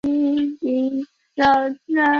洛斯河畔拉罗科。